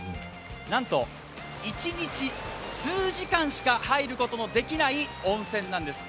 なんと一日数時間しか入ることのできない温泉なんです。